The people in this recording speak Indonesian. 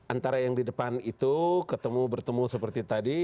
antara yang di depan itu ketemu bertemu seperti tadi